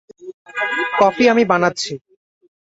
Coffee আমি বানাচ্ছি।